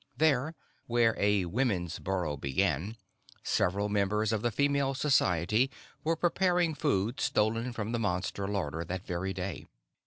There, where a women's burrow began, several members of the Female Society were preparing food stolen from the Monster larder that very day.